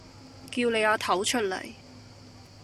叫你阿頭出嚟